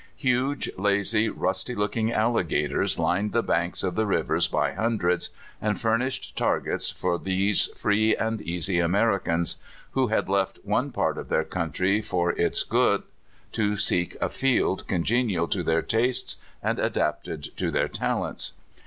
Huge, lazy, rusty looking alligators lined the banks of the rivers by hundreds, and furnished targets for these free and easy Americans, who had ^6 CALIFORNIA SKETCHES. left one part of their country for its good, to seek a field congenial to their tastes and adapted to their talents.